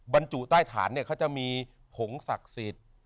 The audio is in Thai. บรรจุใต้ฐานเนี่ยเขาจะมีผงศักดิ์สิทธิ์